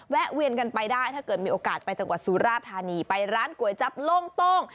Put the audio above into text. แวนกันไปได้ถ้าเกิดมีโอกาสไปจังหวัดสุราธานีไปร้านก๋วยจับโล่งโต้ง